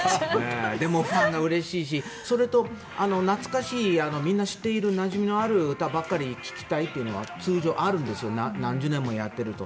でも、ファンがうれしいしそれと懐かしいみんな知っているなじみのある歌ばかり聞きたいというのが通常あるんですけど何十年もやっていると。